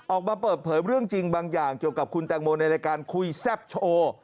ออกมาเปิดเผยเรื่องจริงบางอย่างเกี่ยวกับคุณแตงโมในรายการคุยแซ่บโชว์